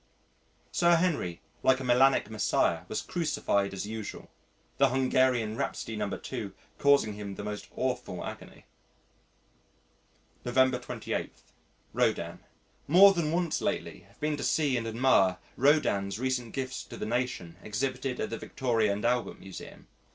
Sir Henry like a melanic Messiah was crucified as usual, the Hungarian Rhapsody No. 2 causing him the most awful agony.... November 28. Rodin More than once lately have been to see and admire Rodin's recent gifts to the nation exhibited at the Victoria and Albert Museum.